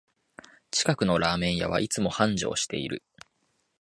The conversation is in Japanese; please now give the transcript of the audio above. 近くのラーメン屋はいつも繁盛してる